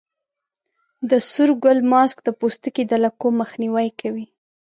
د سور ګل ماسک د پوستکي د لکو مخنیوی کوي.